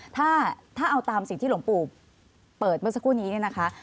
ถ้าเอาตามสิ่งที่หลวงปู่เปิดเมื่อสักครู่นี้เนี่ยนะคะ